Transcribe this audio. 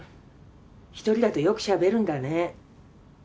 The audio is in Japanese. １人だとよくしゃべるんだね。